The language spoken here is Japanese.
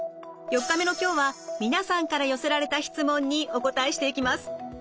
４日目の今日は皆さんから寄せられた質問にお答えしていきます。